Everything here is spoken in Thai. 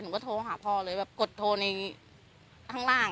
หนูก็โทรข้าพ่อเลยกดโทรในลงที่ห้างล่าง